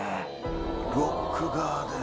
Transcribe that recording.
ロックガーデン。